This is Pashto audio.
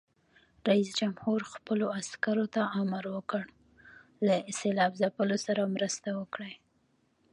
رئیس جمهور خپلو عسکرو ته امر وکړ؛ له سېلاب ځپلو سره مرسته وکړئ!